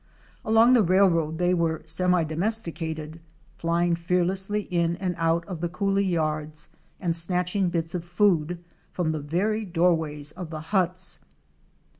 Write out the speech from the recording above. Along the railroad they were semi domesticated, flying fearlessly in and out of the coolie yards, and snatching bits of food from the very door ways of the huts.